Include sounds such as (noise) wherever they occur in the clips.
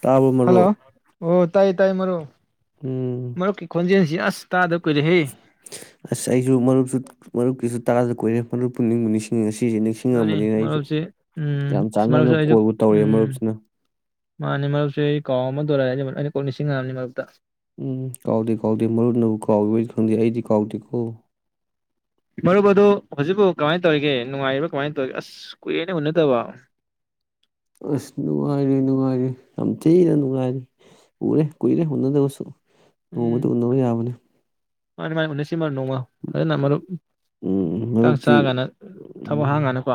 ꯇꯥꯕꯔꯣ ꯃꯔꯣꯛ ꯍꯜꯂꯣ ꯑꯣ ꯇꯥꯏ ꯇꯥꯏ ꯃꯔꯨꯞ ꯃꯔꯨꯞꯀꯤ ꯈꯣꯟ ꯖꯦꯟ (unintelligible) ꯑꯁ ꯇꯥꯗꯕ ꯀꯨꯏꯔꯦꯍꯦ ꯑ ꯑꯩꯁꯨ ꯃꯔꯨꯞꯁꯨ ꯃꯔꯨꯞꯀꯤꯁꯨ ꯇꯗ ꯀꯣꯏꯔꯦ ꯄꯨꯛꯅꯤꯡꯕꯨ ꯅꯤꯡꯁꯤꯡ ꯉꯁꯤ ꯁꯤꯁꯦ ꯑꯗꯨꯅꯤ ꯅꯤꯡꯁꯤꯡꯉꯝꯕꯅꯤꯅ ꯑꯩꯁꯦ ꯃꯔꯨꯞꯁꯦ ꯎꯝ ꯌꯥꯝ ꯑꯁ ꯆꯥꯟꯅꯅ ꯃꯔꯨꯞꯁꯦ ꯑꯩꯁꯨ ꯀꯣꯜꯕꯨ ꯇꯧꯔꯦ ꯎꯝ ꯃꯔꯨꯞꯁꯤꯅ ꯃꯥꯅꯦ ꯃꯔꯨꯞꯁꯦ ꯑꯩ ꯀꯥꯎ ꯑꯃꯗꯧꯔꯛꯑꯦꯅꯤ ꯃꯔ ꯑꯩꯅ ꯀꯣꯛ ꯂꯤꯁꯤꯡ ꯑꯉꯅꯤ ꯃꯔꯛꯇ ꯎꯝ ꯀꯥꯎꯗꯦ ꯀꯥꯎꯗꯦ ꯃꯔꯨꯅꯕꯨ ꯀꯥꯎꯕꯗꯤ ꯈꯪꯗꯦ ꯑꯩꯗꯤ ꯀꯥꯎꯗꯦ ꯀꯣ ꯃꯔꯨꯞ ꯑꯗꯨ ꯍꯧꯖꯤꯛꯐꯥꯎ ꯀꯃꯥꯏꯅ ꯇꯧꯔꯤꯒꯦ ꯅꯨꯡꯉꯥꯏꯔꯤꯕꯥ ꯀꯃꯥꯏꯅ ꯇꯧꯔꯤꯒꯦ ꯑꯁ ꯀꯨꯏꯔꯦꯅ ꯎꯨꯟꯅꯠꯇꯕ ꯑꯁ ꯅꯨꯡꯉꯥꯏꯔꯤ ꯅꯨꯡꯉꯥꯏꯔꯤ ꯌꯥꯝꯊꯤꯅ ꯅꯨꯡꯉꯥꯏꯔꯤ ꯎꯔꯦ ꯀꯨꯏꯔꯦ ꯑꯣꯟꯅꯗꯕꯁꯨ ꯅꯣꯡꯃꯗꯤ ꯎꯅꯕ ꯌꯥꯕꯅꯤ ꯃꯥꯅꯦ ꯃꯥꯥꯏ ꯎꯅꯥꯁꯦ ꯅꯣꯡꯃ ꯐꯖꯅ ꯃꯔꯨꯞ ꯎꯝ ꯍꯇꯥꯛ ꯃꯔꯨꯞꯇꯤ ꯆꯥꯒꯅ ꯊꯕꯛ ꯎꯝ ꯍꯥꯡꯉꯅꯗꯀꯣ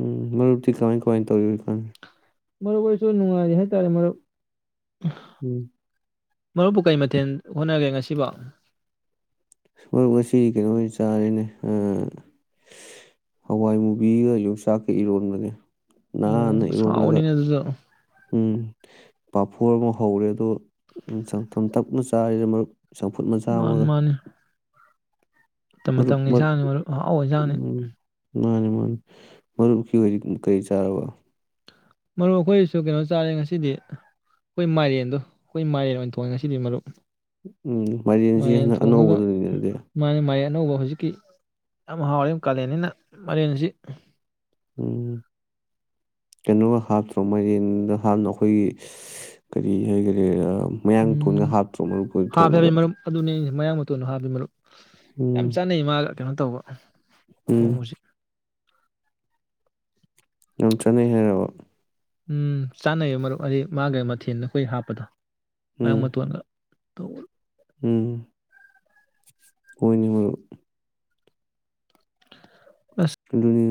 ꯎꯝ ꯃꯔꯨꯞꯇꯤ ꯀꯃꯥꯏ ꯀꯃꯥꯏꯅ ꯇꯧꯔꯤ ꯍꯧꯖꯤꯀꯥꯟ ꯃꯔꯨꯞ ꯑꯣꯏꯁꯨ ꯅꯨꯡꯉꯥꯏꯔꯤ ꯍꯥꯏꯇꯥꯔꯦ ꯃꯔꯨꯞ ꯎꯝ ꯃꯔꯨꯞꯄꯨ ꯀꯩ ꯃꯊꯦꯜ ꯍꯣꯠꯅꯒꯦ ꯉꯁꯤꯕꯣ ꯃꯔ ꯉꯁꯤꯗꯤ ꯀꯩꯅꯣ ꯑꯣꯏꯅ ꯆꯥꯔꯤꯅꯦ ꯍꯋꯥꯏ ꯃꯨꯕꯤꯒ ꯌꯣꯡꯆꯥꯛꯀ ꯏꯔꯣꯟꯕꯅꯦ ꯍꯥꯟꯅ ꯑꯣ ꯑꯁ ꯏꯔꯣꯜꯂꯒ ꯍꯥꯎꯕꯅꯤꯅꯦ ꯑꯗꯨꯁꯨ ꯎꯝ ꯄꯥꯐꯣꯔ ꯑꯃ ꯍꯧꯔꯦ ꯑꯗꯣ ꯆꯪꯊꯣꯝ ꯇꯞꯅ ꯆꯥꯔꯦꯗ ꯃꯔꯨꯞ ꯆꯝꯐꯨꯠ ꯃꯆꯥ ꯃꯥꯅꯤ ꯑꯃꯒ ꯃꯥꯅꯤ ꯃꯇꯝ ꯃꯇꯝꯒꯤꯟꯥꯡꯅꯤ ꯃꯔꯨꯞ ꯍꯑꯣ ꯌꯦꯟꯥꯡꯅꯤ ꯃꯔꯨꯞ ꯀ ꯑꯣꯏ ꯀꯔꯤ ꯆꯥꯔꯔꯕ ꯃꯔꯨꯞ ꯑꯩꯈꯣꯏꯁꯨ ꯀꯩꯅꯣ ꯆꯥꯔꯦ ꯉꯁꯤꯗꯤ ꯑꯩꯈꯣꯏ ꯃꯥꯏꯔꯦꯟꯗꯣ ꯑꯩꯈꯣꯏ ꯃꯥꯏꯔꯦꯟ ꯑꯣꯏꯅꯊꯣꯡꯉꯦ ꯉꯁꯤꯗꯤ ꯃꯔꯨꯞ ꯎꯝ ꯃꯥꯏꯔꯦꯟꯁꯤ ꯃꯥꯏꯔꯦꯟ ꯍꯟꯗꯛ ꯊꯣꯡꯉꯒ ꯑꯅꯧꯕꯗꯨꯅꯤꯅꯦ ꯃꯥꯅ ꯃꯥꯏꯔꯦꯟ ꯑꯅꯧꯕ ꯍꯧꯖꯤꯛꯀꯤ ꯌꯥꯝ ꯍꯥꯎꯔ ꯀꯥꯂꯦꯟꯅꯤꯅ ꯃꯩꯔꯦꯟꯁꯤ ꯎ ꯀꯩꯅꯣꯒ ꯍꯥꯞꯇ꯭ꯔꯣ ꯃꯔꯦꯟꯗ ꯍꯥꯞꯅ ꯑꯩꯈꯣꯏꯒꯤ ꯀꯔꯤ ꯍꯥꯏꯒꯗꯦꯥ ꯎꯝ ꯍꯥ ꯐꯔꯅꯤ ꯃꯔꯝ ꯑꯗꯨꯅꯦ ꯃꯌꯥꯡ ꯇꯣ ꯅꯍꯥꯥꯟꯕꯃꯨꯛ (inaudible) ꯌꯥꯝ ꯎꯝ ꯆꯥꯅꯩ ꯃꯥꯒ ꯀꯩꯅꯣ ꯇꯧꯕ ꯎꯝ ꯊꯣꯡꯕꯁꯤ ꯌꯥꯝ ꯆꯠꯅꯩ ꯍꯥꯏꯔꯕ ꯎꯝ ꯆꯥꯅꯩꯌꯦ ꯃꯔꯨꯞ ꯑꯩ ꯃꯥꯒ ꯃꯊꯦꯜꯗ ꯑꯩꯈꯣꯏ ꯍꯥꯞꯄꯗꯣ ꯎꯝ ꯃꯃꯠꯇ ꯋꯥ ꯇ (inaudible) ꯍꯅꯤ ꯍ ꯑꯁ ꯑꯗꯨꯅꯤ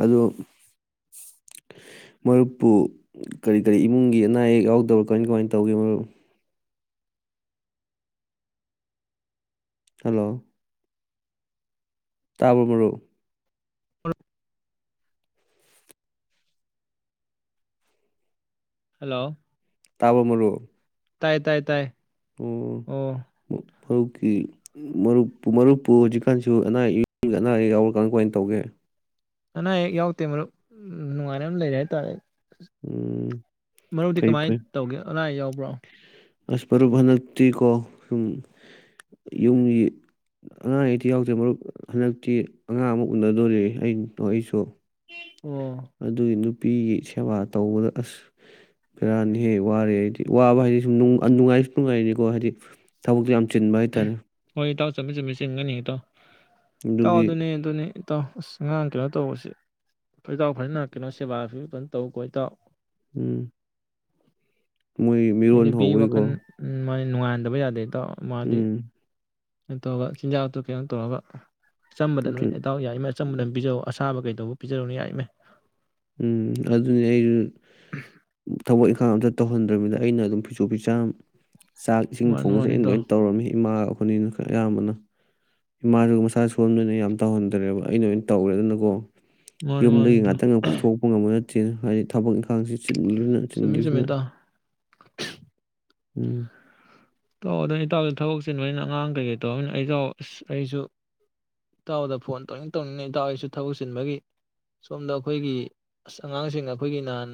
(inaudible) ꯑ ꯃꯔꯨꯞꯄꯨ ꯀꯔꯤ ꯀꯔꯤ ꯏꯃꯨꯡꯒꯤ ꯑꯅꯥ ꯑꯌꯦꯛ ꯌꯥꯎꯗꯕꯥ ꯀꯃꯥꯏ ꯀꯃꯥꯏꯅ ꯇꯧꯒꯦ ꯃꯔꯨꯞ ꯍꯜꯂꯣ ꯇꯥꯕ꯭ꯔꯣ ꯃꯔꯨꯞ ꯑ (unintelligible) (inaudible) ꯍꯜꯂꯣ ꯇꯥꯕꯔ ꯃꯔꯨꯞ ꯇꯥꯏ ꯇꯥꯏ ꯇꯥꯏ ꯎꯝ ꯑꯣ (inaudible) ꯃꯔꯨꯞꯀꯤ ꯃꯔꯨꯞꯨ ꯃꯔꯨꯞꯄꯨ ꯍꯧꯖꯤꯛꯀꯥꯟꯁꯨ ꯑꯅꯥ ꯑꯌꯦꯛ ꯑꯅꯥ ꯑꯌꯦꯛ ꯌꯥꯎꯔꯀꯥꯟ ꯀꯃꯥꯏꯅ ꯇꯧꯒꯦ ꯑꯅꯥ ꯑꯌꯦꯛ ꯌꯥꯎꯗꯦ ꯃꯔꯨꯞ ꯅꯨꯡꯉꯥꯏꯅ ꯑꯃ ꯂꯩꯔꯦ ꯍꯥꯏꯇꯥꯔꯦ ꯎꯝ ꯃꯔꯨꯗꯤ ꯐꯩ ꯀꯃꯥꯏꯅ ꯐꯩ ꯇꯧꯒꯦ ꯑꯅꯥ ꯑꯌꯥꯎꯕ ꯭ꯔꯣ ꯑꯁ ꯃꯔꯨꯞ ꯍꯟꯗꯛꯇꯤꯀꯣ ꯍꯨꯝ ꯌꯨꯝꯒꯤ ꯑꯅꯥ ꯑꯌꯦꯛꯇꯤ ꯌꯥꯎꯗ꯭ꯔꯦ ꯃꯔꯨꯞ ꯍꯟꯗꯛꯇꯤ ꯑꯉꯥꯡ ꯑꯃ ꯎꯅꯗꯣꯔꯤ ꯑ ꯑꯩꯁꯨ ꯑꯣ ꯑꯗꯨꯗ ꯏ ꯅꯨꯄꯤꯒꯤ ꯁꯦꯕꯥ ꯇꯧꯕꯗ ꯑꯁ ꯕꯦꯔꯥꯅꯤ ꯍꯦ ꯋꯥꯔꯦ ꯍꯥꯏꯗꯤ ꯋꯥꯕ ꯍꯥꯏꯗꯤ ꯁꯨꯝ ꯅꯨꯡꯉꯥꯏꯁꯨ ꯅꯨꯡꯉꯥꯏꯔꯤꯅꯤꯀꯣ ꯍꯥꯏꯗꯤ ꯊꯕꯛꯁꯨ ꯌꯥꯝ ꯆꯤꯟꯕ ꯍꯥꯏꯇꯥꯔꯦ ꯍꯣꯏ ꯏꯇꯥꯎ ꯆꯃꯤ ꯆꯨꯝꯃꯤ ꯆꯟꯒꯅꯤꯦꯇꯣ ꯇ ꯑꯗꯨ ꯑꯗꯨꯒꯤ ꯑꯗꯨꯅꯦ ꯑꯗꯨ ꯑꯗꯨꯅꯦ ꯏ ꯇꯥꯎ ꯑꯁ ꯑꯉꯥꯡ ꯀꯩꯅꯣ ꯇꯧꯕꯁꯤꯦ ꯀꯣꯏꯇꯥꯎ ꯐꯖꯅ ꯀꯩꯅꯣ ꯁꯦꯕꯥ ꯐꯤꯕ ꯐꯖꯅ ꯇꯧ ꯀꯣꯏ ꯇꯥꯎ ꯎꯝ ꯃꯣꯏ ꯃꯤꯔꯣꯟ ꯍꯧꯕꯩꯀꯣ ꯅꯅꯨꯡꯉꯟꯗꯕꯖꯗꯦ ꯇ ꯃꯥꯗꯤ ꯎꯝ ꯀꯩꯅꯣ ꯇꯧꯧꯕ ꯆꯤꯟꯖꯥꯛꯇꯨ ꯀꯩꯅꯣ ꯇꯧꯔꯒ ꯆꯝꯕꯗ ꯑꯗꯨ ꯅꯨꯃꯤ ꯏꯇꯥꯎ ꯌꯥꯏꯃꯅ ꯆꯝꯕꯗ ꯑꯗꯨꯝ ꯄꯤꯖꯔꯑꯣ ꯑꯁ ꯑꯁꯥꯕ ꯀꯩꯗꯧꯕ ꯄꯤꯖꯔꯨꯅ ꯌꯥꯏ ꯏꯃꯦ ꯎꯝ ꯑꯗꯨꯅꯤ ꯑꯩꯁꯨ ꯊꯕꯛ ꯏꯪꯈꯥꯡ ꯑꯝꯇ ꯇꯧꯍꯟꯗ꯭ꯔꯃꯤꯗ ꯑꯩꯅ ꯑꯗꯨꯝ ꯐꯤꯁꯨ ꯐꯤꯖꯥ ꯆꯥꯛ ꯏꯁꯤꯡ ꯃꯥꯅꯤ ꯊꯣꯡꯕꯁꯦ ꯃꯥꯅꯤ ꯑꯩꯅ ꯏꯇꯥꯎ ꯂꯣꯏꯅ ꯇꯧꯔꯝꯃꯤ ꯏꯃꯥꯒ ꯐꯅꯤꯅ ꯑꯌꯥꯝꯕꯅ ꯏꯃꯥꯁꯨ ꯃꯁꯥ ꯁꯣꯟꯣꯟꯗꯣꯏꯅ ꯌꯥꯝ ꯇꯧꯍꯟꯗ꯭ꯔꯦꯕ ꯑꯩꯅ ꯑꯣꯏꯅ ꯇꯧꯔꯦꯗꯅꯀꯣ ꯃꯥꯅꯤ ꯃꯥꯅꯤꯗ ꯉꯝꯕ ꯅꯠꯇꯦꯅ ꯍꯥꯏꯗꯤ ꯊꯕꯛ ꯏꯪꯈꯥꯡꯁꯤ ꯆꯅ ꯆꯨꯝꯃꯤ ꯆꯒꯤꯁꯅ ꯆꯨꯝꯃꯤ ꯏꯇꯥꯎ ꯎꯝ ꯏꯇꯥꯎꯗ ꯏꯇꯥꯎꯗ ꯊꯕꯛ ꯆꯤꯟꯕꯅꯤꯅ ꯑꯉꯥꯡ ꯀꯩꯀꯩ ꯇꯧꯅꯤꯅ ꯑꯩ ꯏꯇꯥꯎ ꯑꯁ ꯑꯩꯁꯨ ꯏꯇꯥꯎꯗ ꯐꯣꯟ ꯇꯧꯅꯤꯡ ꯇꯧꯅꯤꯡꯅ ꯏꯇꯥꯎ ꯑꯩꯁꯨ ꯊꯕꯛ ꯆꯤꯟꯕꯒꯤ ꯁꯣꯝꯗ ꯑꯩꯈꯣꯏꯒꯤ ꯑꯁ ꯑꯉꯥꯡꯁꯤꯡ ꯑꯩꯈꯣꯏꯒꯤ ꯅꯍꯥꯟ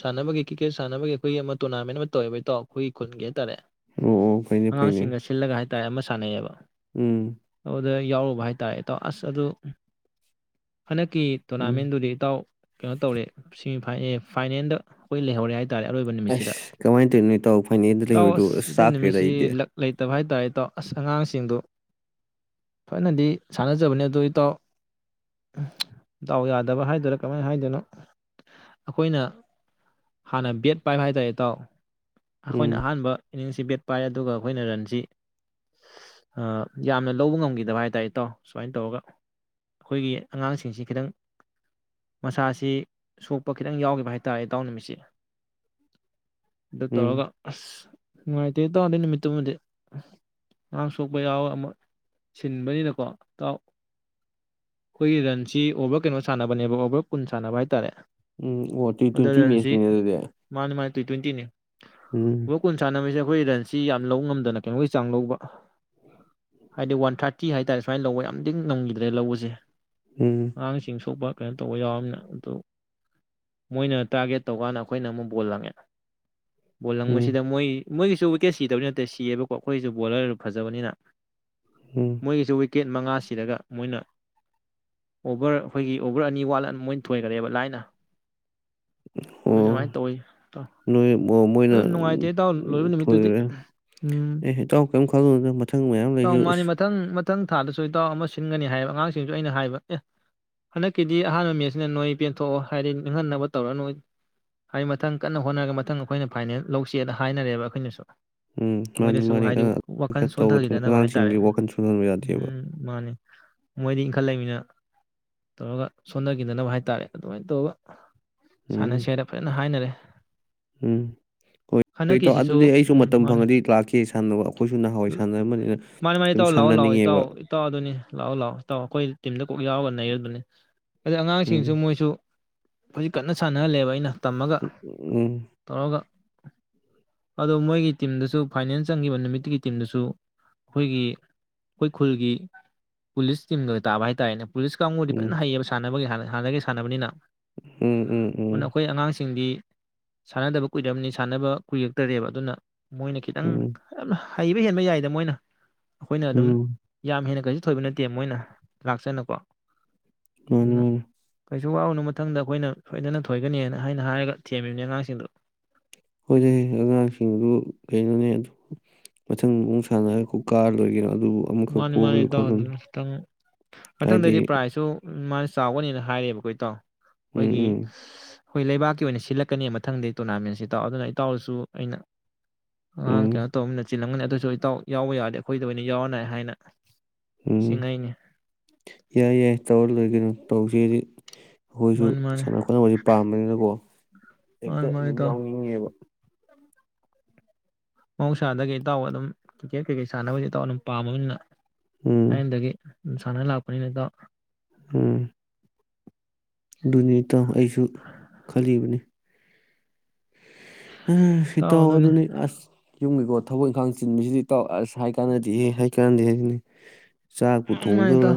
ꯁꯥꯟꯅꯕꯒꯤ ꯀ꯭ꯔꯤꯛꯀꯦꯠ ꯁꯥꯟꯅꯕꯒꯤ ꯑꯩꯈꯣꯏꯒꯤ ꯑꯃ ꯇꯣꯔꯅꯥꯃꯦꯟ ꯑꯃ ꯇꯧꯋꯦꯕ ꯏꯇꯥꯎ ꯑꯩꯈꯣꯏꯒꯤ ꯈꯨꯟꯒꯤ ꯍꯥꯏꯇꯥꯔꯦ ꯑꯣ ꯑꯣ ꯐꯩꯅꯦ ꯐꯩꯅꯦ ꯑꯉꯥꯡꯁꯤꯡꯒ ꯁꯤꯜꯂꯒ ꯍꯥꯏꯇꯥꯔꯦ ꯑꯃ ꯁꯥꯟꯅꯩꯌꯦꯕ ꯎꯝ ꯑꯗꯨꯗ ꯌꯥꯎꯔꯨꯕ ꯍꯥꯏꯇꯥꯥꯔꯦꯇꯣ ꯑꯁ ꯑꯗꯨ ꯍꯟꯗꯛꯀꯤ ꯎꯝ ꯇꯣꯔꯅꯥꯃꯦꯟꯗꯨꯗꯤ ꯏꯇꯥꯎ ꯀꯩꯅꯣ ꯇꯧꯔꯦ ꯐꯥꯏꯅꯦꯜꯗ ꯑꯩꯈꯣꯏ ꯂꯩꯍꯧꯔꯦ ꯍꯥꯏꯦ ꯑꯁ ꯀꯃꯥꯏꯅ ꯇꯧꯔꯤ ꯅꯣꯏ ꯇꯥꯎ ꯐꯅꯤꯗ ꯂꯩꯍꯣꯏꯗꯣ ꯑꯁ ꯑꯗꯨꯗꯩ ꯆꯥꯛꯈ꯭ꯔꯦꯗ ꯅꯨꯃꯤꯠꯁꯤ ꯑꯩꯗꯤ ꯂ ꯂꯩꯇꯕ ꯍꯥꯏꯇꯥꯔꯦ ꯏꯇꯥꯎ ꯑꯁ ꯑꯉꯥꯡꯁꯤꯡꯗꯨ ꯊꯣꯏꯅꯗꯤ ꯁꯥꯟꯅꯖꯕꯅꯤ ꯑꯗꯨ ꯏꯇꯥꯎ ꯏꯇꯥꯎ ꯌꯥꯗꯕ ꯍꯥꯏꯗꯣꯏꯔꯥ ꯀꯃꯥꯏꯅ ꯍꯥꯏꯗꯣꯏꯅꯣ ꯑꯩꯈꯣꯏꯅ ꯍꯥꯟꯅ ꯕꯦꯠ ꯄꯥꯏꯕ ꯍꯥꯏꯇꯥꯔꯦ ꯏꯇꯥꯎ ꯎꯝ ꯑꯩꯈꯣꯏꯅ ꯑꯍꯥꯟꯕ ꯏꯅꯤꯡꯁꯤ ꯕꯦꯠ ꯄꯥꯏꯔ ꯑꯗꯨꯒ ꯑꯩꯈꯣꯏꯅ ꯔꯟꯁꯤ ꯌꯥꯝꯅ ꯂꯧꯕ ꯉꯝꯈꯤꯗꯕ ꯍꯥꯏꯇꯥꯔꯦ ꯏꯇꯥꯎ ꯁꯨꯃꯥꯏꯅ ꯇꯧꯔꯒ ꯑꯩꯈꯣꯏꯒꯤ ꯑꯉꯥꯡꯁꯤꯡꯁꯤ ꯈꯤꯇꯪ ꯃꯁꯥꯁꯤ ꯁꯣꯛꯄ ꯈꯤꯇꯪ ꯌꯥꯎꯈꯤꯕ ꯍꯥꯏꯇꯥꯔꯦ ꯏꯇꯥꯎ ꯅꯨꯃꯤꯠꯁꯤꯦ ꯑꯗꯨ ꯎꯝ ꯇꯒ ꯑꯁ ꯅꯨꯡꯉꯥꯏꯇꯦ ꯇꯥꯎꯗꯩ ꯅꯨꯃꯤꯠꯇꯨꯃꯗꯤ ꯑꯔꯥꯡ ꯁꯣꯛꯄ ꯌꯥꯎꯋ ꯑꯃꯨ ꯁꯤꯟꯕꯅꯤꯅꯀꯣꯥꯎ ꯑꯩꯈꯣꯏꯒꯤ ꯔꯟꯁꯤ ꯑꯣꯚꯔ ꯀꯩꯅꯣ ꯁꯥꯟꯅꯕꯅꯦꯕ ꯑꯣꯚꯔ ꯀꯨꯟ ꯁꯥꯟꯅꯕ ꯍꯥꯏꯇꯥꯔꯦ ꯎꯝ ꯑꯣ ꯇ꯭ꯋ ꯇ꯭ꯋꯦꯟꯇꯤ ꯃꯦꯁꯅꯦꯅꯦ ꯑꯗꯨꯗꯤ ꯇ ꯇ꯭ꯋꯦꯟꯤꯅꯤ ꯎꯝ ꯆꯥꯟꯅꯃꯤꯁꯦ ꯑꯩꯈꯣꯏ ꯔꯟꯁꯤ ꯌꯥꯝ ꯂꯧꯕ ꯉꯝꯗꯅ ꯀꯩꯅꯣꯒꯤ ꯆꯥꯡ ꯂꯧꯕ ꯍꯥꯏꯗꯤ ꯋꯥꯟ ꯊꯥꯔꯇꯤ ꯍꯥꯏꯇꯥꯔꯦ ꯁꯨꯃꯥꯏꯅ ꯂꯧꯕ ꯌꯥꯝꯅꯗꯤꯛ ꯉꯪꯈꯤꯗ꯭ꯔꯦ ꯂꯧꯕꯁꯦ ꯎꯝ ꯑꯉꯥꯡꯁꯤꯡ ꯁꯣꯛꯄ ꯀꯩꯅꯣ ꯇꯧꯕ ꯌꯥꯎꯝꯅ ꯑꯗꯨ ꯃꯣꯏꯅ ꯇꯥꯔꯒꯦꯠ ꯇꯧꯀꯥꯟꯗ ꯑꯩꯈꯣꯏꯅ ꯑꯃꯨꯛ ꯕꯣꯜ ꯂꯪꯉꯦ ꯣꯂꯪ ꯃ ꯎꯝ ꯁꯤꯗ ꯃꯣꯏ ꯃꯣꯏꯒꯤꯁꯨ ꯋꯤꯀꯦꯠ ꯁꯤꯗꯕꯅꯤ ꯅꯠꯇꯦ ꯁꯤꯌꯦꯕꯀꯣ ꯑꯩꯈꯣꯏꯒꯤꯁꯨ ꯕꯣꯂꯔ ꯐꯖꯕꯅꯤꯅ ꯎꯝ ꯃꯣꯏꯁꯨ ꯃꯉꯥꯁꯤꯗꯒ ꯃꯣꯏꯅ ꯑꯣꯚꯔ ꯑꯩꯈꯣꯏꯒꯤ ꯑꯣꯚꯔ ꯑꯅꯤ ꯋꯥꯠꯂ ꯃꯣꯏꯅ ꯊꯣꯏꯈꯔꯦꯕ ꯂꯥꯏꯅ ꯑꯗꯨ ꯑꯣ ꯑꯗꯨꯃꯥꯏꯅ ꯇꯧꯋꯤ ꯏꯇꯥꯎ ꯅꯨꯡꯉꯥꯏꯇꯦ ꯏꯇꯧꯁꯨ ꯎ ꯊꯣꯏꯈ꯭ꯔꯦ ꯑꯦ ꯏꯇꯥꯎ ꯀꯔꯤꯝ ꯈꯟꯒꯅꯨꯗ ꯃꯊꯪ ꯃꯌꯥꯝ ꯂꯩꯁꯤ ꯑꯣꯏ ꯏꯇꯥꯎꯎ ꯑꯃ ꯁꯤꯟꯒꯅꯤ ꯍꯥꯏꯕ ꯑꯉꯥꯡꯁꯤꯡꯁꯨ ꯑꯩꯅ ꯍꯥꯏꯕ ꯑꯦ ꯍꯟꯗꯛꯀꯤꯗꯤ ꯑꯍꯥꯟꯕ ꯃꯦꯠꯁꯤꯅ ꯅꯣꯏ ꯄꯦꯟꯊꯣꯛꯑꯣ ꯍꯥꯏꯗꯤ ꯅꯤꯡꯍꯟꯅꯕ ꯇꯧꯔ ꯅꯣꯏ ꯍꯥꯏꯗꯤ ꯃꯊꯪ ꯀꯟꯅ ꯍꯣꯠꯅꯔꯒ ꯃꯊꯪ ꯑꯩꯈꯣꯏꯅ ꯐꯥꯏꯅꯦꯜ ꯂꯧꯁꯦ ꯊꯥꯏꯅꯔꯦꯕ ꯑꯩꯈꯣꯏꯅꯁꯨ ꯎꯝ ꯃꯥꯅꯤ ꯃꯣꯏꯗꯁꯨ ꯃꯥꯅꯤ ꯍꯥꯏꯗꯤ ꯋꯥꯈꯜ ꯈꯔ ꯇꯧꯒꯗꯅ ꯁꯣꯟꯊꯈꯤꯗꯅꯕ ꯍꯥꯏꯇꯥꯔꯦ ꯑꯉꯥꯡꯁꯤꯡꯗꯤ ꯋꯥꯈꯜ ꯁꯣꯡꯊꯥꯍꯟꯕ ꯌꯥꯗꯦꯕ ꯎꯝ ꯃꯥꯅꯤ ꯃꯣꯏꯗꯤ ꯏꯟꯈꯠꯂꯛꯏꯕꯅꯤꯅ ꯇꯧꯔꯒ ꯁꯣꯟꯊꯈꯤꯗꯅꯕ ꯍꯥꯏ ꯇꯥꯔꯦ ꯑꯗꯨꯃꯥꯏꯅ ꯇꯧꯔꯒ ꯎꯝ ꯁꯥꯟꯅꯁꯦ ꯍꯥꯏꯗ ꯐꯖꯅ ꯍꯥꯏꯅꯔꯦ ꯎꯝ ꯍꯣꯏ ꯍꯟꯗꯛꯀꯤꯁꯤꯁꯨ ꯑꯗꯨꯗꯤ ꯑꯩꯁꯨ ꯎꯝ ꯃꯇꯝ ꯃꯥꯅꯦ ꯐꯪꯉꯗꯤ ꯂꯥꯛꯈꯤ ꯁꯥꯟꯅꯕ ꯑꯩꯈꯣꯏꯁꯨ ꯅꯍꯥꯟꯋꯥꯏ ꯁꯥꯟꯅꯔꯝꯕꯅꯤꯅ ꯃꯥꯅꯦ ꯃꯥꯅꯦ ꯁꯨꯝ ꯏꯇꯥꯎ ꯂꯥꯛꯑꯣ ꯂꯥꯛꯑꯣ ꯏꯇꯥꯎ ꯁꯥꯟꯅꯅꯤꯡꯉꯦꯕ ꯏꯇꯥꯎ ꯑꯗꯨꯅꯤ ꯂꯥꯛꯑꯣ ꯂꯥꯛꯑꯣ ꯏꯇꯥꯎ ꯑꯩꯈꯣꯏ ꯇꯤꯝꯗ ꯀꯣꯛ ꯌꯥꯎꯒ ꯅꯩꯗꯨꯅꯤ ꯑꯗꯩ ꯑꯉꯥꯡꯁꯤꯡꯁꯨ ꯎꯝ ꯃꯣꯏꯁꯨ ꯍꯧꯖꯤꯛ ꯀꯟꯅ ꯁꯥꯟꯅꯍꯜꯂꯦꯕ ꯑꯩꯅ ꯇꯝꯃꯒ ꯎꯝ ꯇꯧꯔꯒ ꯑꯗꯣ ꯃꯣꯏꯒꯤ ꯇꯤꯝꯗꯁꯨ ꯐꯥꯏꯅꯦꯜ ꯆꯪꯈꯤꯕ ꯅꯨꯃꯤꯠꯇꯨꯒꯤ ꯇꯤꯝꯗꯁꯨ ꯑꯩꯈꯣꯏꯒꯤ ꯑꯩꯈꯣꯏ ꯈꯨꯜꯒꯤ ꯄꯨꯂꯤꯁ ꯇꯤꯝꯒ ꯇꯥꯕ ꯍꯥꯏꯇꯥꯥꯔꯦꯅꯦ ꯄꯨꯂꯤꯁ ꯀꯥꯡꯕꯨ ꯎꯝ ꯐꯖ ꯍꯩꯌꯦꯕ ꯁꯥꯟꯅꯕꯒꯤ ꯍꯅ ꯍꯥꯟꯅꯗꯒꯤ ꯁꯥꯟꯅꯕꯅꯤꯅ ꯎꯝ ꯎꯝ ꯎꯝ ꯁꯤꯡꯗꯤ ꯁꯥꯟꯅꯗꯕ ꯀꯨꯏꯔꯔꯕꯅꯤ ꯁꯥꯟꯅꯕ ꯀꯨꯌꯦꯛꯇꯔꯦꯕ ꯑꯗꯨꯅ ꯃꯣꯏꯅ ꯈꯤꯇꯪ ꯎꯝ ꯌꯥꯝ ꯍꯩꯕ ꯍꯦꯟꯕ ꯌꯥꯏꯗ ꯃꯣꯏꯅ ꯑꯩꯈꯣꯏꯅ ꯑꯗꯨꯝ ꯎꯝ ꯌꯥꯝ ꯍꯦꯟꯅ ꯀꯩꯁꯨ ꯊꯣꯏꯕ ꯅꯠꯇꯦ ꯃꯣꯏꯅ ꯂꯥꯛꯁꯟꯕ ꯃꯥꯅꯤ ꯃꯥꯅꯤ (unintelligible) ꯋꯥꯎꯅ ꯃꯊꯪꯗ ꯑꯩꯈꯣꯏꯅ ꯁꯣꯏꯗꯅ ꯊꯣꯏꯒꯅꯤꯅ ꯍꯥꯏꯅ ꯍꯥꯏꯔꯒ ꯊꯦꯝꯃꯤꯕꯅꯤ ꯑꯉꯥꯡꯁꯤꯡꯗꯨꯣ ꯍꯣꯏꯗꯤ ꯑꯉꯥꯡꯁꯤꯡꯗꯨ ꯀꯩꯅꯣꯅꯦ ꯑꯗꯨ ꯃꯊꯪ ꯁꯥꯟꯅꯔ ꯀꯥꯔꯗ ꯑꯣꯏꯒꯦ ꯃꯥꯅꯤ ꯃꯥꯅꯤ ꯏꯇꯥꯎ ꯑꯗꯨꯅꯦ ꯈꯤꯇꯪ ꯍꯥꯏꯗꯤ ꯃꯊꯪꯗꯩꯗꯤ ꯄ꯭ꯔꯥꯏꯖꯁꯨ ꯎꯝ ꯃꯥꯅ ꯆꯥꯎꯅꯦꯅ ꯍꯥꯏꯔꯦꯕ ꯀꯣ ꯏꯇꯥꯎ ꯎꯝ ꯑꯩꯈꯣꯏꯒꯤ ꯎꯝ ꯍꯣꯏ ꯂꯩꯕꯥꯛꯀꯤ ꯑꯣꯏꯅ ꯁꯤꯜꯂꯛꯀꯅꯤ ꯃꯊꯪꯗ ꯇꯣꯔꯅꯥꯃꯦꯟꯁꯤ ꯏꯇꯥꯎ ꯑꯗꯨꯅ ꯏꯇꯥꯎꯔꯁꯨ ꯑꯩꯅ ꯑ ꯎꯝ ꯀꯩꯅꯣ ꯇꯧꯕ ꯆꯤꯂꯝꯒꯅꯤ ꯑꯗꯨꯁꯨ ꯏꯇꯥꯎ ꯌꯥꯎꯕ ꯌꯥꯔꯗꯤ ꯑꯩꯈꯣꯏꯗ ꯑꯣꯏꯅ ꯌꯥꯎꯌꯣꯅꯦ꯫ ꯍꯥꯏꯅ ꯎꯝ ꯆꯤꯡꯉꯛꯏꯅꯤ ꯌꯥꯏ ꯌꯥꯏ ꯇꯧꯔ ꯂꯣꯏꯔꯦ ꯀꯩꯅꯣ ꯇꯧꯁꯦꯗꯤ ꯑꯩꯈꯣꯏꯁꯨ ꯃꯥꯅꯤ ꯃꯥꯅꯤ ꯁꯥꯟꯅ ꯈꯣꯠꯅꯕꯁꯦ ꯄꯥꯝꯕꯅꯤꯅꯀꯣ ꯍꯦꯛꯇ ꯃꯥꯅꯤ ꯃꯥꯅꯤ ꯑꯗꯨꯝ ꯏꯇꯥꯎ ꯌꯥꯎꯅꯤꯡꯉꯦꯕ ꯃꯍꯧꯁꯥꯗ ꯀꯩ ꯏꯇꯥꯎ ꯑꯗꯨꯝ ꯀ꯭ꯔꯤꯛꯀꯦꯠ ꯀꯩꯀꯩ ꯁꯥꯟꯅꯕꯁ ꯏꯇꯥꯎ ꯑꯗꯨꯝ ꯄꯥꯝꯃꯕꯅꯤꯅ ꯎꯝ ꯊꯥꯏꯅꯗꯒꯤ ꯁꯥꯟꯅ ꯂꯥꯛꯄꯅꯤꯅꯗ ꯎꯝ ꯑꯗꯨꯅꯤ ꯏꯇꯥꯎ ꯑꯩꯁꯨ ꯈꯜꯂꯤꯕꯅꯤ ꯏꯇꯥꯎ ꯑꯗꯨꯅꯤ ꯑꯁ ꯌꯨꯝꯒꯤꯀꯣ ꯊꯕꯛ ꯏꯪꯈꯥꯡ ꯆꯤꯟꯕꯁꯤꯗ ꯏꯇꯥꯎ ꯑꯁ ꯍꯥꯏ ꯀꯥꯟꯅꯗꯦꯍꯦ ꯍꯥꯏ ꯀꯥꯟꯅꯗꯦ ꯍꯥꯏꯅꯤ ꯆꯥꯛꯄꯨ ꯃꯥꯅꯤ ꯃꯥꯅꯤ ꯊꯣꯡꯗꯣꯏꯔ ꯏꯇꯥꯎ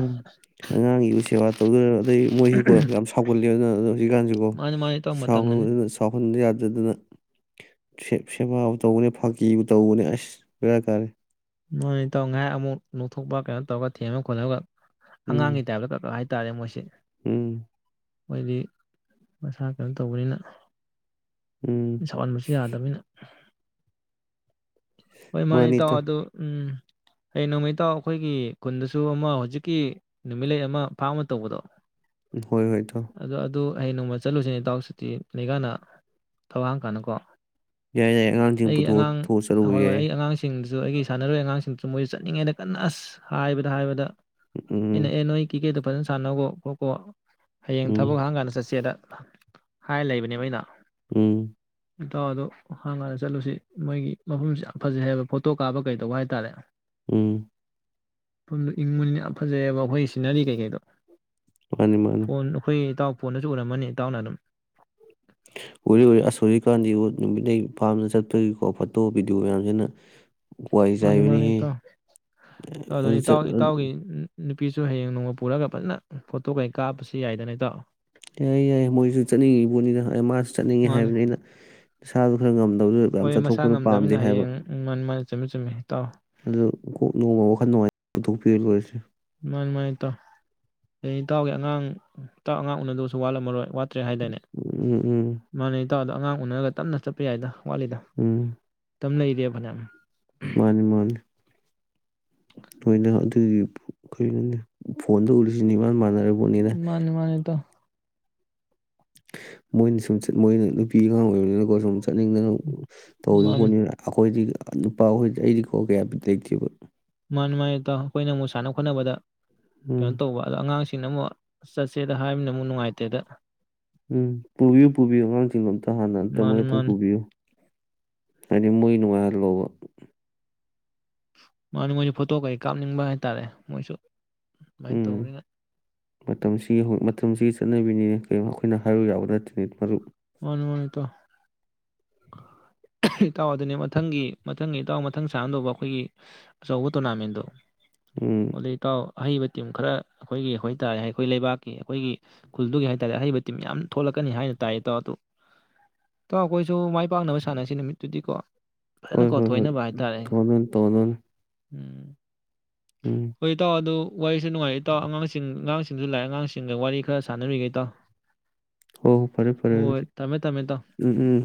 ꯑꯉꯥꯡꯒꯤꯕꯨ ꯁꯦꯕꯥ ꯇꯧꯗꯨꯏꯔ ꯑꯗꯩ ꯃꯣꯏꯁꯤꯀꯣ ꯌꯥꯝ ꯁꯥꯎꯒꯠꯂꯦꯕ ꯑꯗꯨꯅ ꯑꯗꯣ ꯍꯧꯖꯤꯛꯀꯥꯟꯁꯤꯀꯣꯅ ꯃꯥꯅꯤ ꯃꯥꯅꯤ ꯏꯇꯥꯎ ꯃꯇꯝꯅꯅꯤ ꯁꯥꯎꯍꯟꯕ ꯌꯥꯗꯦ ꯑꯗꯨꯅ ꯁꯦꯕꯥꯕꯨ ꯇꯧꯕꯅꯦ ꯐꯥꯒꯤꯕꯨ ꯇꯧꯕꯅꯦ ꯑꯁ ꯚꯦꯔꯥ ꯀꯥꯔꯦ ꯃꯥꯅꯦ ꯏꯇꯥꯎ ꯉꯥꯏꯍꯥꯛ ꯑꯃꯨꯛ ꯅꯣꯛꯊꯣꯛꯄ ꯀꯩꯅꯣ ꯇꯧꯔꯒ ꯊꯦꯝꯃ ꯈꯣꯠꯂꯒ ꯑꯉꯥꯡꯒꯤ ꯎꯝ ꯇꯥꯏꯞꯇ (unintelligible) ꯇꯥꯔꯦ ꯃꯣꯏꯁꯦ ꯎꯝ꯫ ꯃꯣꯏꯗꯤ ꯃꯁꯥ ꯀꯩꯅꯣ ꯇꯧꯕꯅꯤꯅ꯫ ꯎꯝ ꯁꯧꯍꯟꯕꯁꯨ ꯌꯥꯗꯕꯅꯤꯅ꯫ ꯍꯣꯏ ꯃꯥꯅꯤ ꯏꯇꯥꯎ ꯑꯗꯨ ꯎꯝ꯫ ꯑꯦ ꯅꯣꯡꯃ ꯏꯇꯥꯎ ꯑꯩꯈꯣꯏꯒꯤ ꯈꯨꯟꯗꯁꯨ ꯑꯃ ꯍꯧꯖꯤꯛꯀꯤ ꯅꯨꯃꯤꯠꯂꯩ ꯑꯃ ꯐꯥꯝ ꯑꯃ ꯇꯧꯕꯗꯣ ꯎꯝ ꯍꯣꯏ ꯍꯣꯏ ꯏꯇꯥꯎ꯫ ꯑꯗꯣ ꯑꯗꯨ ꯍꯌꯦꯡ ꯅꯣꯡꯃ ꯆꯠꯂꯨꯖꯦ ꯏꯇꯥꯎ ꯁꯨꯇꯤ ꯂꯩꯀꯥꯟꯗ ꯊꯕꯛ ꯍꯥꯡꯀꯥꯟꯗꯀꯣ꯫ ꯌꯥꯏ ꯌꯥꯏ ꯑꯉꯥꯡꯁꯤꯡ ꯄꯨꯊꯣꯛ ꯑ ꯊꯣꯛꯑ ꯆꯠꯂꯨꯕ ꯌꯥꯏ꯫ ꯑꯗꯨ ꯑꯩꯒꯤ ꯁꯥꯟꯅꯔꯣꯏ ꯑꯉꯥꯡꯁꯤꯡꯁꯨ ꯃꯣꯏꯁꯨ ꯆꯠꯅꯤꯡꯉꯦꯅ ꯀꯟꯅ ꯍꯥꯏꯕꯗ ꯍꯥꯏꯕꯗ꯫ ꯑꯩꯅ ꯎꯝ ꯑꯦ ꯅꯣꯏ ꯀꯦꯀꯦꯗꯣ ꯐꯖꯅ ꯁꯥꯟꯅꯒꯣ ꯀꯣꯀꯣ ꯍꯌꯦꯡ ꯊꯕꯛ ꯎꯝ ꯍꯥꯡꯀꯥꯟꯗ ꯆꯠꯆꯦꯗ꯫ ꯍꯥꯏ ꯂꯩꯕꯅꯦꯕ ꯑꯩꯅ꯫ ꯎꯝ꯫ ꯏꯇꯥꯎ ꯑꯗꯣ ꯍꯥꯡꯉꯒ ꯆꯠꯂꯨꯖꯤ ꯃꯣꯏꯒꯤ ꯃꯐꯝꯁꯦ ꯌꯥꯝ ꯐꯖꯩ ꯍꯥꯏꯕ ꯐꯣꯇꯣ ꯀꯥꯞꯄ ꯀꯩꯗꯧꯕ ꯍꯥꯏꯇꯥꯔꯦ꯫ ꯎꯝ꯫ ꯃꯐꯝꯗꯨ ꯏꯪꯕꯅꯤꯅ ꯌꯥꯝ ꯐꯖꯩꯑꯦꯕ ꯑꯩꯈꯣꯏꯒꯤ ꯁꯤꯟꯅꯔꯤ ꯀꯩꯀꯩꯗꯣ꯫ ꯃꯥꯅꯤ ꯃꯥꯅꯤ ꯐꯣꯟ ꯑꯩꯈꯣꯏꯒꯤ ꯏꯇꯥꯎ ꯐꯣꯟꯗꯖꯨ ꯎꯔꯝꯃꯅꯤ ꯏꯇꯥꯎꯅ ꯑꯗꯨꯝ꯫ ꯎ ꯎꯔꯤ ꯑꯁꯣꯔꯤꯀꯥꯟꯗꯤ ꯅꯨꯃꯤꯠꯡ ꯄꯥꯝꯅ ꯆꯠꯄꯒꯤꯀꯣ ꯐꯣꯇꯣ ꯚꯤꯗꯤꯑꯣ ꯃꯌꯥꯝꯁꯤꯅ ꯋꯥꯏ ꯃꯥꯅꯤ ꯃꯥꯅꯤ ꯆꯥꯏꯕꯅꯤꯍꯦ ꯏꯇꯥꯎ ꯑꯗꯨꯅꯤ ꯑꯗꯨ ꯆꯠ ꯏꯇꯥꯎ ꯑꯗꯨ ꯏꯇꯥꯎꯒꯤ ꯅꯨꯄꯤꯁꯨ ꯍꯌꯦꯡ ꯅꯣꯡꯃ ꯄꯨꯔꯒ ꯐꯖꯅ ꯐꯣꯇꯣ ꯀꯩ ꯀꯥꯞꯄꯁꯨ ꯌꯥꯏꯗꯅꯇꯣ ꯌꯥꯏꯦ ꯌꯥꯏꯦ ꯃꯣꯏꯁꯨ ꯆꯠꯅꯤꯡꯉꯤ ꯄꯣꯠꯅꯤꯅ ꯃꯥꯁꯨ ꯆꯠꯅꯤꯡꯉꯦ ꯃꯥꯅꯤ ꯍꯥꯏꯕꯅꯤ ꯑꯩꯅ ꯏꯁꯥꯗꯣ ꯈꯔ ꯉꯝꯗꯦ ꯇꯗꯨ ꯌꯥꯝ ꯍꯣꯏ ꯃꯁꯥ ꯆꯠꯊꯣꯛꯄꯗꯨ ꯄꯥꯝꯗꯦ ꯉꯝꯗꯕꯅꯤꯅ ꯍꯥꯏꯕ ꯍꯌꯦꯡ ꯎꯝ ꯃꯥꯅꯤ ꯃꯥꯅꯤ ꯆꯨꯝꯃꯤ ꯆꯨꯝꯃꯤ ꯏꯇꯥꯎ ꯑꯗꯨ ꯀꯣꯛ ꯅꯅꯨꯡꯃ ꯋꯥꯈꯜ ꯅꯨꯡꯉꯥꯏ ꯄꯨꯊꯣꯛꯄꯤ ꯌꯦꯜ ꯂꯣꯏꯖꯦ ꯃꯥꯏ ꯃꯃꯥꯏ ꯇꯥꯎ (inaudible) ꯏꯇꯥꯎꯒꯤꯦ ꯑꯉꯥꯡ ꯏꯇꯥꯎ ꯑꯉꯥꯡ ꯎꯅꯗꯕꯁꯨ ꯋꯥꯠꯂꯝꯃꯔꯣꯏ ꯆꯠꯇ꯭ꯔꯦ ꯍꯥꯏꯗꯅꯦ ꯎꯝ ꯎꯝ ꯃꯥꯅꯦ ꯇꯗ ꯑꯉꯥꯡ ꯎꯅꯔꯒ ꯇꯞꯅ ꯆꯠꯄ ꯌꯥꯏꯗ ꯋꯥꯠꯂꯤꯗ ꯎꯝ ꯇꯝ ꯂꯩꯔꯦꯕꯅꯃꯤ ꯃꯥꯅꯤ ꯃꯥꯅꯤ ꯅꯣꯏꯅ ꯑꯗꯨꯒꯤ ꯀꯅꯣꯅꯦ ꯐꯣꯟ ꯇ ꯎꯔꯤꯁꯤꯅꯦ ꯏ ꯃꯥ ꯃꯥꯟꯅ ꯃꯥꯅꯤ ꯃꯥꯅꯤ ꯇ ꯃꯣꯏꯅ ꯁꯨꯝꯠ ꯃꯣꯏꯅ ꯅꯨꯄꯤ ꯑꯉꯥꯡ ꯑꯣꯏꯕꯅꯤꯅꯀꯣ ꯁꯨꯝ ꯆꯠꯅꯤꯡꯗꯅ ꯇꯧꯔꯤꯕ ꯃꯥꯅꯤ ꯄꯣꯠꯅꯤꯅ ꯑꯩꯈꯣꯏꯗꯤ ꯅꯨꯄꯥꯍꯣꯏꯗꯤ ꯑꯩꯗꯤ ꯀꯣ ꯀꯌꯥꯐꯤ ꯂꯩꯇꯦꯕ ꯅꯨꯡꯉꯥꯏ ꯑꯩꯈꯣꯏꯅ ꯑꯃꯨꯛ ꯁꯥꯟ ꯈꯣꯠꯅꯕꯗ ꯀꯩꯅꯣ ꯎꯝ ꯇꯧꯕ ꯑꯗꯣ ꯑꯉꯥꯡꯁꯤꯡ ꯑꯩꯅ ꯑꯃꯨꯛ ꯆꯠꯁꯦꯗ ꯍꯥꯏꯕꯅꯤꯅ ꯑꯃꯨꯛ ꯅꯨꯡꯉꯥꯏꯇꯦꯗ ꯎꯝ ꯄꯨꯕꯤꯌꯨ ꯄꯨꯕꯤꯌꯨ ꯑꯉꯥꯡꯁꯤꯡꯗꯣ ꯑꯝꯇ ꯍꯥꯟꯅ ꯑꯝꯇ ꯃꯣꯏ ꯃꯥꯅꯤ ꯑꯇꯪ ꯃꯥꯅꯤ ꯄꯨꯕꯤꯌꯨ ꯍꯥꯏꯗꯤ ꯃꯣꯏ ꯅꯨꯡꯉꯥꯏꯍꯜꯂꯕ ꯃꯥꯅꯤ ꯃꯣꯏꯁꯨ ꯐꯣꯇꯣ ꯀꯩ ꯀꯥꯞꯅꯤꯡꯕ ꯍꯥꯏꯇꯥꯥꯔꯦ ꯃꯣꯏꯁꯨ ꯑꯗꯨꯃꯥꯏꯅ ꯎꯝ ꯇꯧꯕꯅꯤꯅ ꯃꯇꯝꯁꯤꯒꯤ ꯃꯇꯝꯁꯤꯒꯤ ꯆꯠꯅꯕꯤꯅꯤꯅꯦ ꯀꯩꯣ ꯃꯈꯣꯏꯅ ꯍꯥꯏꯔꯨ ꯌꯥꯕ ꯅꯠꯇ꯭ꯔꯅꯤ ꯃꯔꯨꯞ ꯋꯥꯅ ꯋꯥꯅꯤ ꯇ ꯏꯇꯥꯎ ꯑꯗꯨꯅꯦ ꯃꯊꯪꯒꯤ ꯃꯊꯪꯒꯤ ꯏꯇꯥꯎ ꯃꯊꯪ ꯆꯍꯗꯧꯕ ꯑꯩꯈꯣꯏꯒꯤ ꯑꯆꯧꯕ ꯇꯣꯔꯅꯥꯃꯦꯟꯗꯣ ꯎꯝ ꯑꯣꯗꯀꯥꯎ ꯑꯍꯩꯕ ꯇꯤꯝ ꯈꯔ ꯑꯩꯈꯣꯏꯒꯤ ꯑꯣꯏꯇꯥꯥꯔꯦ ꯑꯩꯈꯣꯏ ꯂꯩꯕꯥꯛꯀꯤ ꯑꯩꯈꯣꯏꯒꯤ ꯈꯨꯜꯗꯨꯒꯤ ꯍꯥꯏꯇꯥꯥꯔꯦ ꯑꯍꯩꯕ ꯇꯤꯝ ꯌꯥꯝ ꯊꯣꯛꯂꯛꯀꯅꯤ ꯍꯥꯏꯅ ꯇꯥꯏ ꯇ ꯑꯩꯈꯣꯏꯁꯨ ꯃꯥꯏ ꯄꯥꯛꯅꯕ ꯁꯥꯟꯅꯁꯤ ꯅꯨꯃꯤꯠꯇꯨꯗꯤꯀꯣ ꯍꯣꯏ ꯐꯖꯅꯀꯣ ꯍꯣꯏ ꯍꯣꯏ ꯊꯣꯏꯅꯕ ꯍꯥꯏꯇꯥꯔꯦ ꯇꯅꯣꯟ ꯇꯅꯣꯟ ꯎꯝ ꯍꯣꯏꯇꯥ ꯑ ꯑꯗꯨ ꯋꯥꯔꯤꯁꯦ ꯅꯨꯡꯉꯥꯏꯇꯥꯎ ꯑꯉꯥꯡꯁꯤꯡ ꯑꯉꯥꯡꯁꯤꯡ ꯁꯤꯡꯁꯨ ꯂꯥꯏꯔꯤ ꯑꯉꯥꯡꯁꯤꯡꯒ ꯋꯥꯔꯤ ꯈꯔ ꯁꯥꯟꯅꯔꯤꯈꯩ ꯇꯥꯎ ꯍ ꯍꯣ ꯐꯔꯦ ꯐꯔꯦ ꯑꯗꯨꯗꯤ ꯏꯇꯥꯎ ꯎꯝ ꯎꯝ